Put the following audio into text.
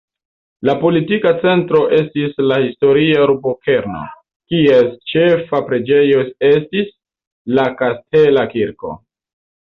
La politika centro estis la historia urbokerno, kies ĉefa preĝejo estis la kastela kirko.